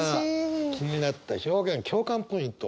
さあ気になった表現共感ポイント。